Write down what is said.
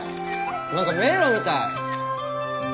何か迷路みたい。